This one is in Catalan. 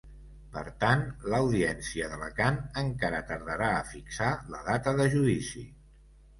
Per tant, l’audiència d’Alacant encara tardarà a fixar la data de judici.